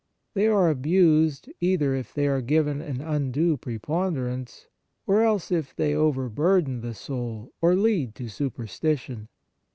They are abused, either if they are given an undue preponderance, or else if they overburden the soul or lead to superstition.